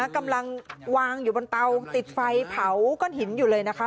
กำลังวางอยู่บนเตาติดไฟเผาก้อนหินอยู่เลยนะคะ